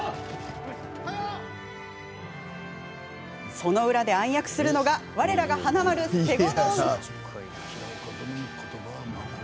その裏で暗躍するのがわれらが華丸・西郷どん。